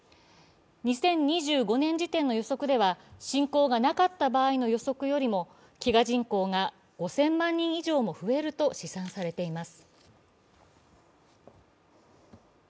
２０２５年時点の予測では侵攻がなかった場合の予測よりも飢餓人口が５０００万人以上も増えると試算されています。